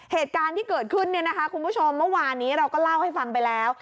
เหตุการณ์ที่เกิดขึ้นเนี่ยนะคะคุณผู้ชมเมื่อวานนี้เราก็เล่าให้ฟังไปแล้ว